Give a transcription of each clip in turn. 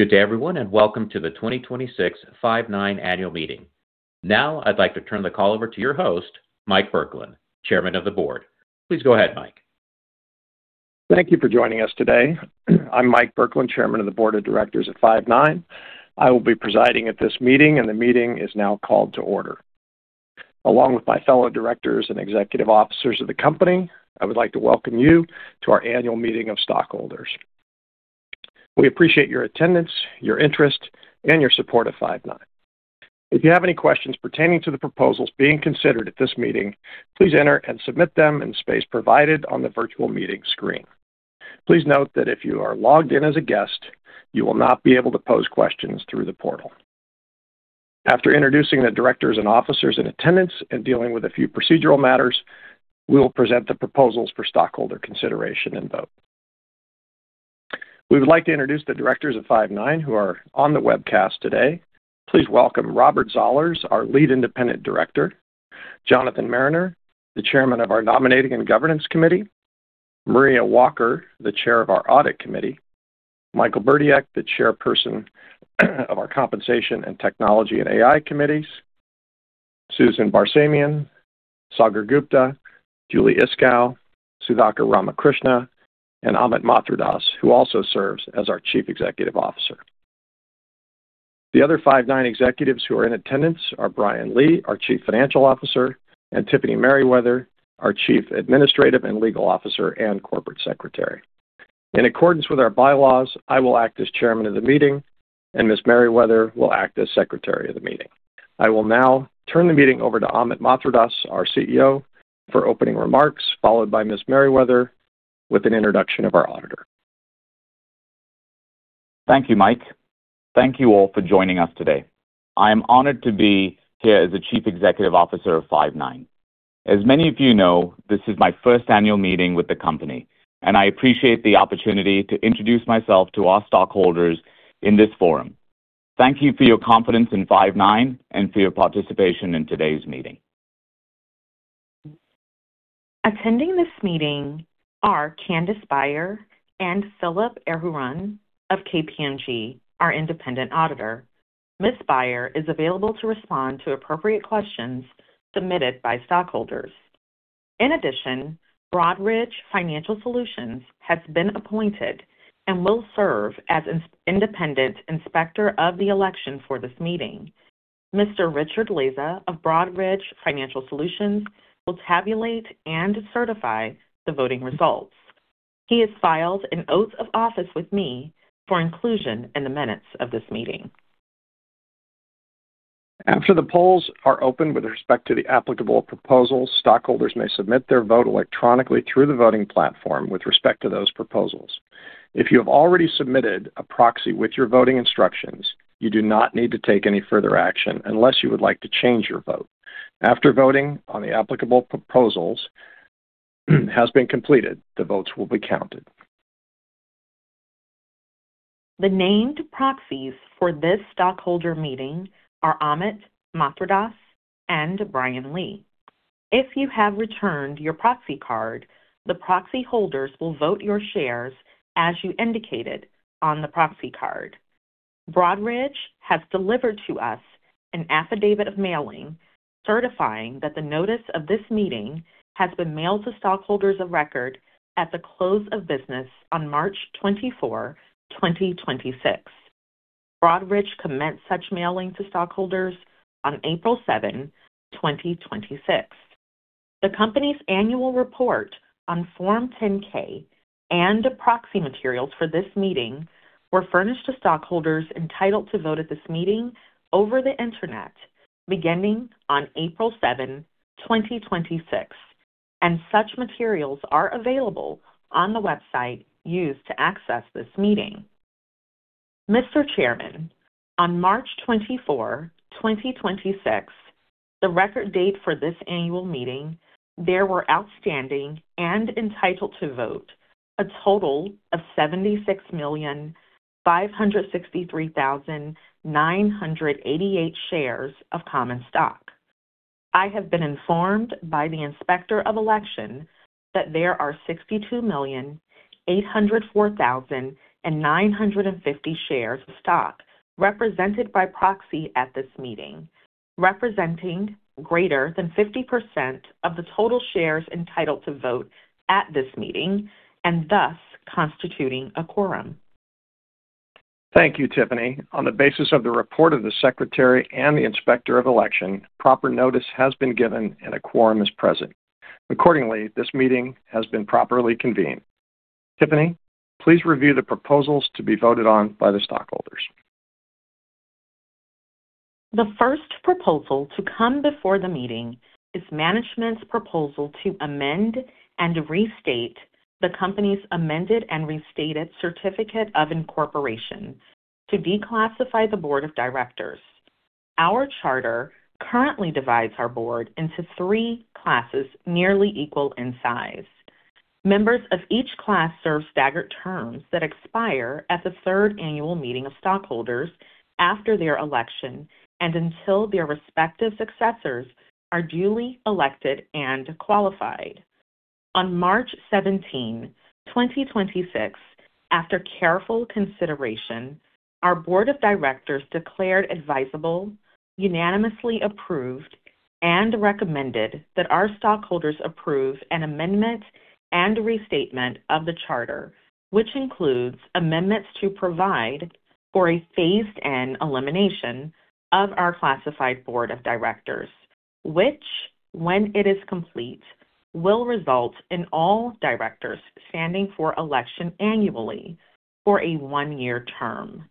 Good day everyone, and welcome to the 2026 Five9 annual meeting. Now I'd like to turn the call over to your host, Mike Burkland, Chairman of the Board. Please go ahead, Mike. Thank you for joining us today. I'm Mike Burkland, Chairman of the Board of Directors at Five9. I will be presiding at this meeting, and the meeting is now called to order. Along with my fellow directors and executive officers of the company, I would like to welcome you to our annual meeting of stockholders. We appreciate your attendance, your interest, and your support of Five9. If you have any questions pertaining to the proposals being considered at this meeting, please enter and submit them in the space provided on the virtual meeting screen. Please note that if you are logged in as a guest, you will not be able to pose questions through the portal. After introducing the directors and officers in attendance and dealing with a few procedural matters, we will present the proposals for stockholder consideration and vote. We would like to introduce the Directors of Five9 who are on the webcast today. Please welcome Robert Zollars, our Lead Independent Director, Jonathan Mariner, the Chairman of our Nominating and Governance Committee, Maria Walker, the Chair of our Audit Committee, Michael Burdiek, the Chairperson of our Compensation and Technology and AI Committees, Sue Barsamian, Sagar Gupta, Julie Iskow, Sudhakar Ramakrishna, and Amit Mathradas, who also serves as our Chief Executive Officer. The other Five9 executives who are in attendance are Bryan Lee, our Chief Financial Officer, and Tiffany Meriweather, our Chief Administrative and Legal Officer and Corporate Secretary. In accordance with our bylaws, I will act as chairman of the meeting, and Ms. Meriweather will act as secretary of the meeting. I will now turn the meeting over to Amit Mathradas, our CEO, for opening remarks, followed by Ms. Meriweather with an introduction of our auditor. Thank you, Mike. Thank you all for joining us today. I am honored to be here as the Chief Executive Officer of Five9. As many of you know, this is my first annual meeting with the company, and I appreciate the opportunity to introduce myself to our stockholders in this forum. Thank you for your confidence in Five9 and for your participation in today's meeting. Attending this meeting are Candace Beyer and Philip Ehurun of KPMG, our independent auditor. Ms. Beyer is available to respond to appropriate questions submitted by stockholders. In addition, Broadridge Financial Solutions has been appointed and will serve as independent inspector of the election for this meeting. Mr. Richard Laza of Broadridge Financial Solutions will tabulate and certify the voting results. He has filed an oath of office with me for inclusion in the minutes of this meeting. After the polls are open with respect to the applicable proposals, stockholders may submit their vote electronically through the voting platform with respect to those proposals. If you have already submitted a proxy with your voting instructions, you do not need to take any further action unless you would like to change your vote. After voting on the applicable proposals has been completed, the votes will be counted. The named proxies for this stockholder meeting are Amit Mathradas and Bryan Lee. If you have returned your proxy card, the proxy holders will vote your shares as you indicated on the proxy card. Broadridge has delivered to us an affidavit of mailing certifying that the notice of this meeting has been mailed to stockholders of record at the close of business on 24 March 2026. Broadridge commenced such mailing to stockholders on 7 April 2026. The company's annual report on Form 10-K and proxy materials for this meeting were furnished to stockholders entitled to vote at this meeting over the internet beginning on 7 April 2026, and such materials are available on the website used to access this meeting. Mr. Chairman, on 24 March 2026, the record date for this annual meeting, there were outstanding and entitled to vote a total of 76,563,988 shares of common stock. I have been informed by the Inspector of Election that there are 62,804,950 shares of stock represented by proxy at this meeting, representing greater than 50% of the total shares entitled to vote at this meeting, and thus constituting a quorum. Thank you, Tiffany. On the basis of the report of the Secretary and the Inspector of Election, proper notice has been given and a quorum is present. Accordingly, this meeting has been properly convened. Tiffany, please review the proposals to be voted on by the stockholders. The first proposal to come before the meeting is management's proposal to amend and restate the company's amended and restated certificate of incorporation to declassify the board of directors. Our charter currently divides our board into three classes nearly equal in size. Members of each class serve staggered terms that expire at the third annual meeting of stockholders after their election and until their respective successors are duly elected and qualified. On 17 March 2026, after careful consideration, our board of directors declared advisable, unanimously approved, and recommended that our stockholders approve an amendment and restatement of the charter, which includes amendments to provide for a phased-in elimination of our classified board of directors, which, when it is complete, will result in all directors standing for election annually for a 1-year term.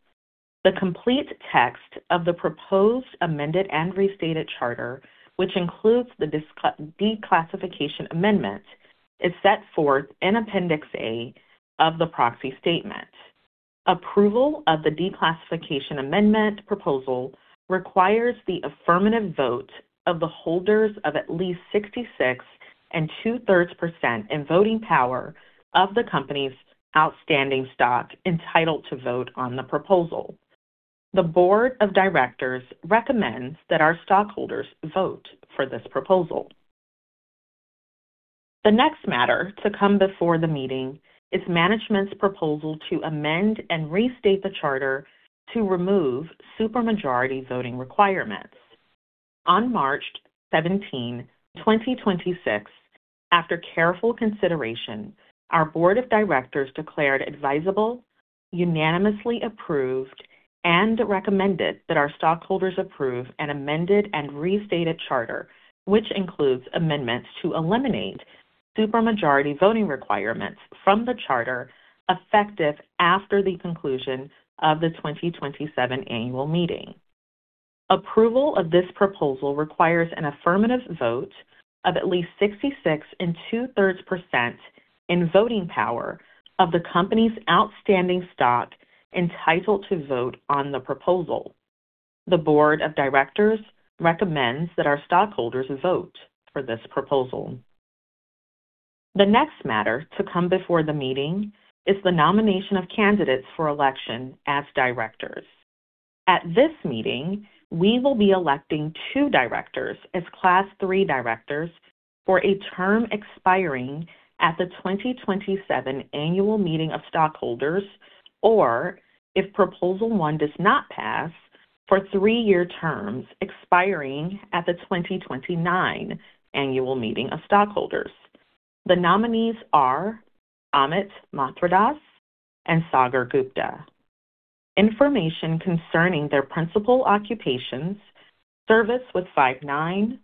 The complete text of the proposed amended and restated charter, which includes the declassification amendment, is set forth in Appendix A of the proxy statement. Approval of the declassification amendment proposal requires the affirmative vote of the holders of at least 66 2/3% in voting power of the company's outstanding stock entitled to vote on the proposal. The board of directors recommends that our stockholders vote for this proposal. The next matter to come before the meeting is management's proposal to amend and restate the charter to remove super majority voting requirements. On 17 March 2026, after careful consideration, our board of directors declared advisable, unanimously approved, and recommended that our stockholders approve an amended and restated charter, which includes amendments to eliminate super majority voting requirements from the charter effective after the conclusion of the 2027 annual meeting. Approval of this proposal requires an affirmative vote of at least 66 2/3% in voting power of the company's outstanding stock entitled to vote on the proposal. The board of directors recommends that our stockholders vote for this proposal. The next matter to come before the meeting is the nomination of candidates for election as directors. At this meeting, we will be electing two directors as Class III directors for a term expiring at the 2027 annual meeting of stockholders, or if Proposal 1 does not pass, for three-year terms expiring at the 2029 annual meeting of stockholders. The nominees are Amit Mathradas and Sagar Gupta. Information concerning their principal occupations, service with Five9,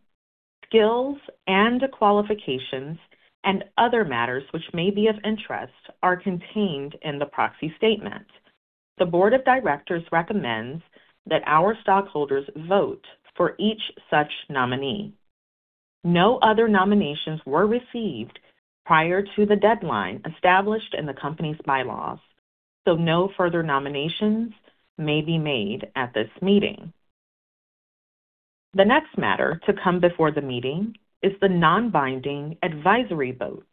skills and qualifications, and other matters which may be of interest are contained in the proxy statement. The board of directors recommends that our stockholders vote for each such nominee. No other nominations were received prior to the deadline established in the company's bylaws, so no further nominations may be made at this meeting. The next matter to come before the meeting is the non-binding advisory vote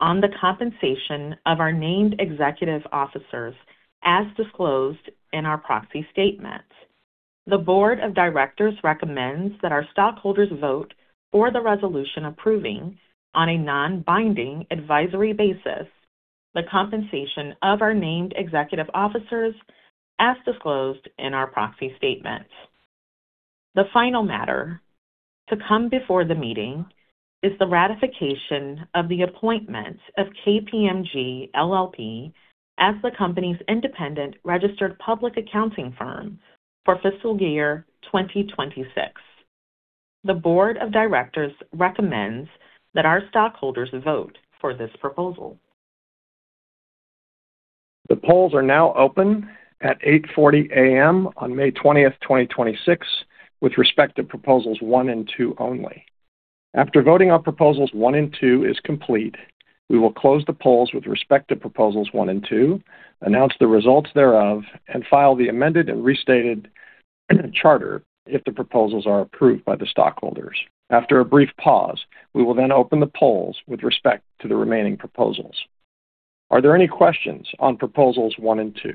on the compensation of our named executive officers as disclosed in our proxy statement. The board of directors recommends that our stockholders vote for the resolution approving, on a non-binding advisory basis, the compensation of our named executive officers as disclosed in our proxy statement. The final matter to come before the meeting is the ratification of the appointment of KPMG LLP as the company's independent registered public accounting firm for fiscal year 2026. The board of directors recommends that our stockholders vote for this proposal. The polls are now open at 8:40AM on 20 May 2026 with respect to Proposals 1 and 2 only. After voting on Proposals 1 and 2 is complete, we will close the polls with respect to Proposals 1 and 2, announce the results thereof, and file the amended and restated charter if the proposals are approved by the stockholders. After a brief pause, we will then open the polls with respect to the remaining proposals. Are there any questions on Proposals 1 and 2?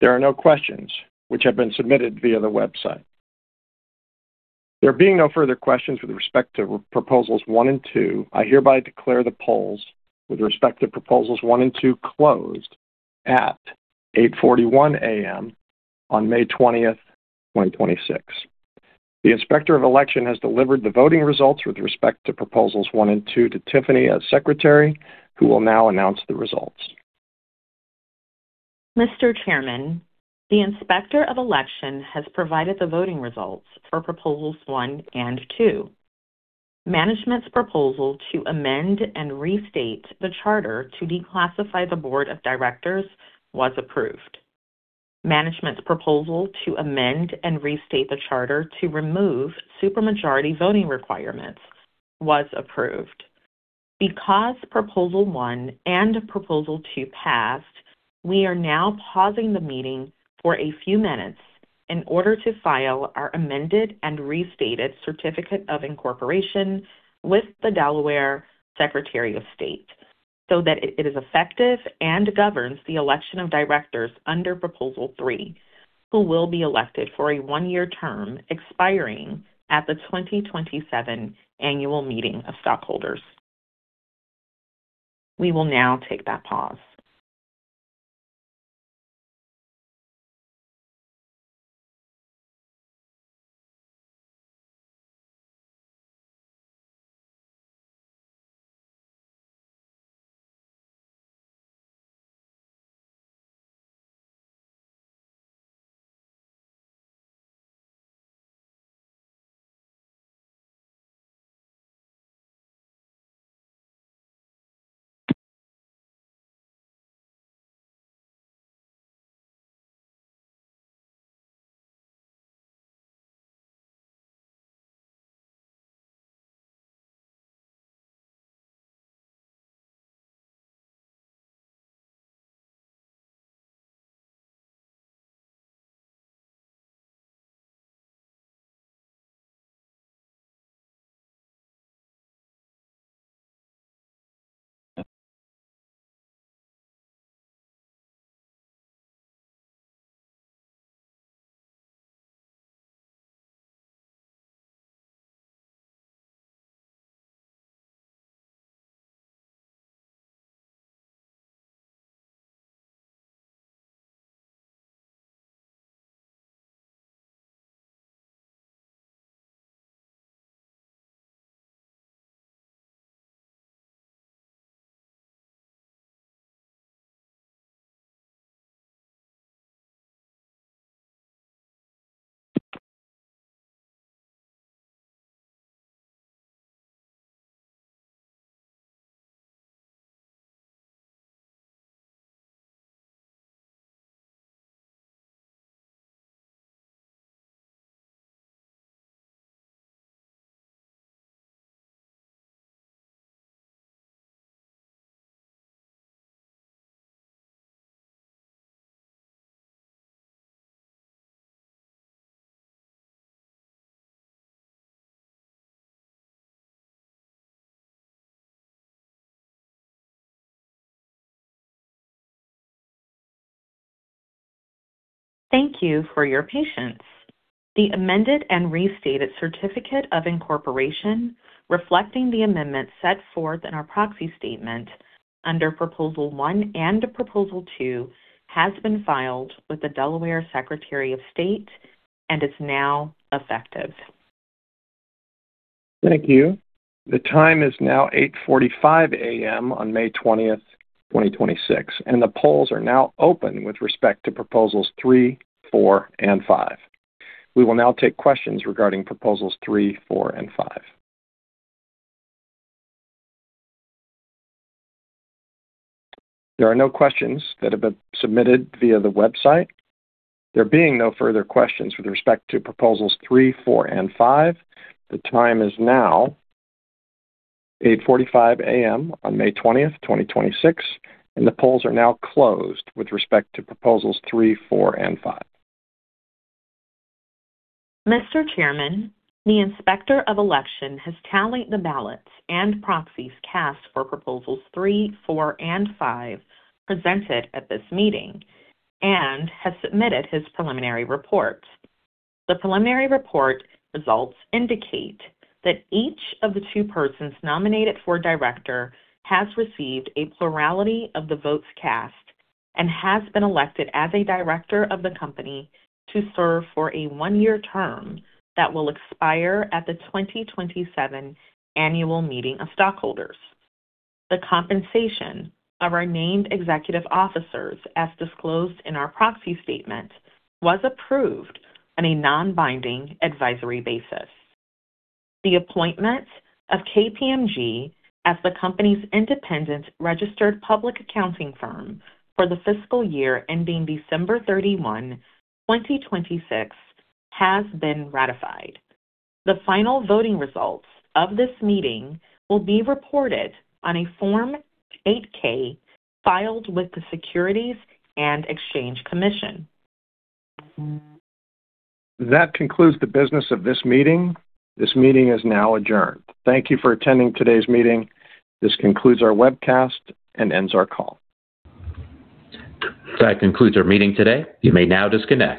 There are no questions which have been submitted via the website. There being no further questions with respect to Proposals 1 and 2, I hereby declare the polls with respect to Proposals 1 and 2 closed at 8:41AM on 20 May 2026. The Inspector of Election has delivered the voting results with respect to Proposals one and two to Tiffany, as Secretary, who will now announce the results. Mr. Chairman, the Inspector of Election has provided the voting results for Proposals 1 and 2. Management's proposal to amend and restate the charter to declassify the board of directors was approved. Management's proposal to amend and restate the charter to remove super majority voting requirements was approved. Because Proposal 1 and Proposal 2 passed, we are now pausing the meeting for a few minutes in order to file our amended and restated certificate of incorporation with the Delaware Secretary of State. That it is effective and governs the election of directors under Proposal 3, who will be elected for a 1-year term expiring at the 2027 annual meeting of stockholders. We will now take that pause. Thank you for your patience. The amended and restated certificate of incorporation reflecting the amendment set forth in our proxy statement under Proposal 1 and Proposal 2 has been filed with the Delaware Secretary of State and is now effective. Thank you. The time is now 8:45AM on 20 May 2026, and the polls are now open with respect to Proposals 3, 4, and 5. We will now take questions regarding Proposals 3, 4, and 5. There are no questions that have been submitted via the website. There being no further questions with respect to Proposals 3, 4, and 5, the time is now 8:45AM on 20 May 2026, and the polls are now closed with respect to Proposals 3, 4, and 5. Mr. Chairman, the Inspector of Election has tallied the ballots and proxies cast for Proposals 3, 4, and 5 presented at this meeting and has submitted his preliminary report. The preliminary report results indicate that each of the two persons nominated for director has received a plurality of the votes cast and has been elected as a director of the company to serve for a 1-year term that will expire at the 2027 annual meeting of stockholders. The compensation of our named executive officers, as disclosed in our proxy statement, was approved on a non-binding advisory basis. The appointment of KPMG as the company's independent registered public accounting firm for the fiscal year ending 31 December 2026, has been ratified. The final voting results of this meeting will be reported on a Form 8-K filed with the Securities and Exchange Commission. That concludes the business of this meeting. This meeting is now adjourned. Thank you for attending today's meeting. This concludes our webcast and ends our call. That concludes our meeting today. You may now disconnect.